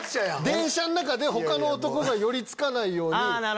電車の中で他の男が寄り付かないように。